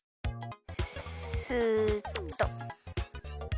スッと。